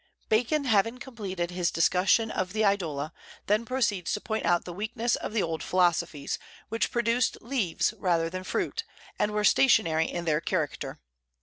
Bacon having completed his discussion of the Idola, then proceeds to point out the weakness of the old philosophies, which produced leaves rather than fruit, and were stationary in their character.